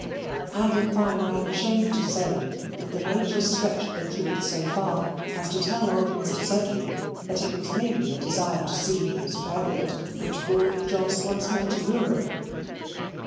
And in fine I am ashamed to say that the Major stretched the truth so far as to tell old Mr. Sedley that it was mainly a desire to see his parent which brought Jos once more to Europe.